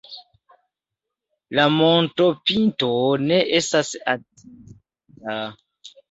La montopinto ne estas atingita.